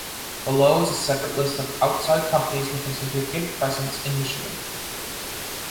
Below is a separate list of outside companies with a significant presence in Michigan.